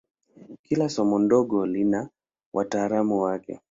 Kila somo dogo lina wataalamu wake.